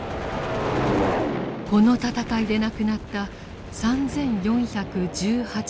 この戦いで亡くなった３４１８人の調査です。